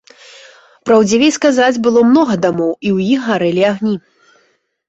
Праўдзівей сказаць, было многа дамоў, і ў іх гарэлі агні.